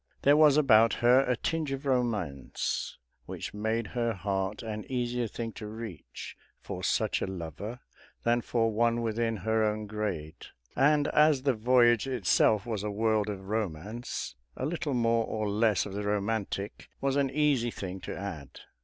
There was about her a tinge of romance, which made her heart an easier thing to reach for such a lover than for one within her own grade; and as the voyage itself was a world of romance, a little more or less of the romantic was an easy thing to add.